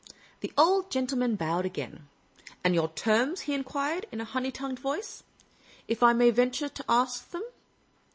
The old gentleman bowed again. " And your terms? " he enquired, in a honey tongued voice. " If I may venture to ask them."